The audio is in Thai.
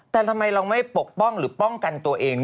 แต่ทำไมเราไม่ปกป้องหรือป้องกันตัวเอง